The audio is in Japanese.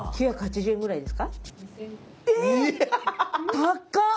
９８０円ぐらいですか？